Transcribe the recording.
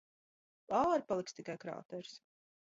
Pāri paliks tikai krāteris.